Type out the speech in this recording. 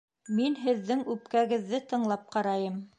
Мин һеҙҙең үпкәгеҙҙе тыңлап ҡарайым